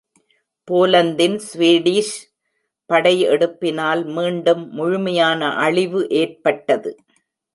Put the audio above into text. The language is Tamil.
போலந்தின் ஸ்வீடிஷ் படை எடுப்பினால் மீண்டும் முழுமையான அழிவு ஏற்பட்டது.